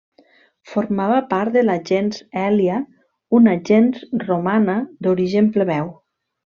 Formava part de la gens Èlia, una gens romana d'origen plebeu.